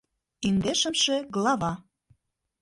Индешымше глава